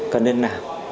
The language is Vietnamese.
cần nên làm